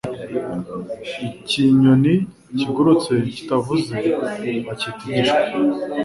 Ikinyoni kigurutse kitavuze bacyita igishwi